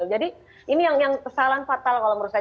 jadi ini yang kesalahan fatal kalau menurut saya